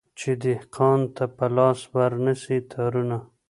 چي دهقان ته په لاس ورنه سي تارونه